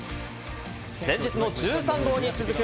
前日の１３号に続く